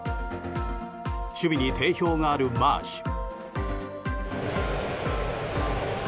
守備に定評があるマーシュ。